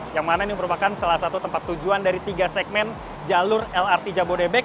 yang mana ini merupakan salah satu tempat tujuan dari tiga segmen jalur lrt jabodebek